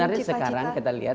sebenarnya sekarang kita lihat